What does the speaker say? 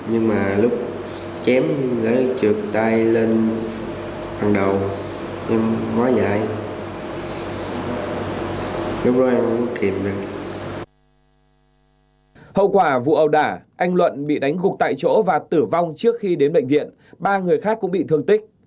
hậu quả vụ ẩu đả anh luận bị đánh gục tại chỗ và tử vong trước khi đến bệnh viện ba người khác cũng bị thương tích